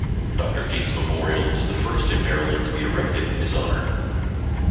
Doctor King's memorial is the first in Maryland to be erected in his honor.